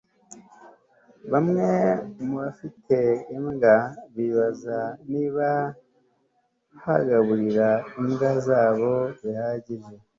Bamwe mubafite imbwa bibaza niba bagaburira imbwa zabo bihagije